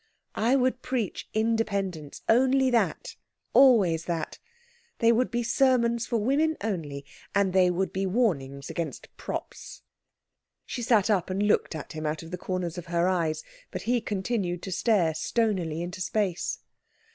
"I would preach independence. Only that. Always that. They would be sermons for women only; and they would be warnings against props." She sat up and looked at him out of the corners of her eyes, but he continued to stare stonily into space.